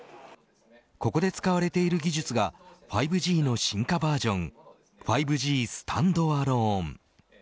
ここで使われている技術が５Ｇの進化バージョン５Ｇスタンドアローン。